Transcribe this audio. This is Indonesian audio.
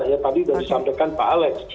ya tadi sudah disampaikan pak alex